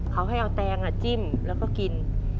เขาให้เอาแตงจิ้มแล้วก็กิน